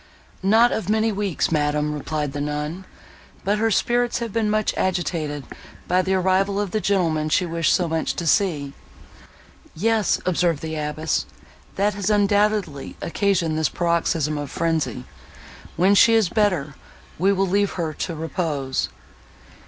"Not of many weeks, madam," replied the nun, "but her spirits have been much agitated by the arrival of the gentleman she wished so much to see." "Yes," observed the abbess, "that has undoubtedly occasioned this paroxysm of frenzy. When she is better, we will leave her to repose."